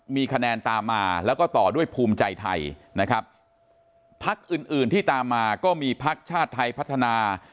มีคะแนนตามมาแล้วก็ต่อด้วยภูมิใจไทยนะครับพักอื่นอื่นที่ตามมาก็มีพักชาติไทยพัฒนา